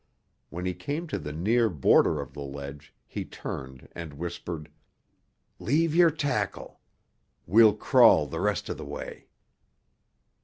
When he came to the near border of the ledge, he turned and whispered, "Leave your tackle. We'll crawl the rest of the way."